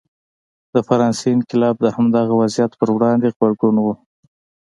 د فرانسې انقلاب د همدغه وضعیت پر وړاندې غبرګون و.